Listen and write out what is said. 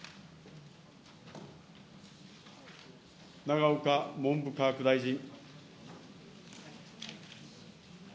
永岡文部科学大臣。